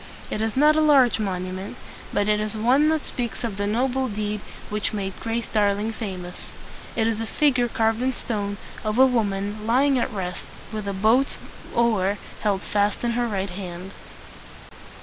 It is not a large mon u ment, but it is one that speaks of the noble deed which made Grace Darling famous. It is a figure carved in stone of a woman lying at rest, with a boat's oar held fast in her right hand.